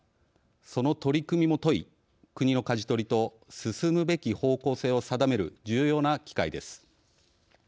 その取り組みも問い国のかじ取りと進むべき方向性を定める重要な機会です。